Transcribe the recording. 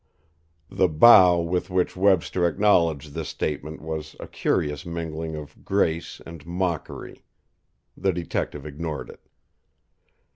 The bow with which Webster acknowledged this statement was a curious mingling of grace and mockery. The detective ignored it.